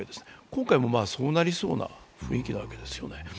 今回もそうなりそうな雰囲気なわけですよね。